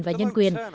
và nhân quyền